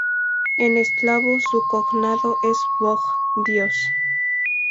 En eslavo su cognado es "bog:" ‘dios’.